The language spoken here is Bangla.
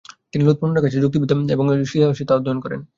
তিনি লুৎফুল্লাহর কাছে যুক্তিবিদ্যা এবং সিহাহ সিত্তাহ অধ্যয়ন করেন।